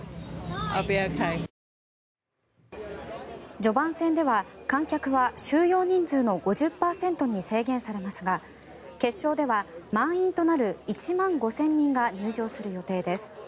序盤戦では観客は収容人数の５０％に制限されますが決勝では満員となる１万５０００人が入場する予定です。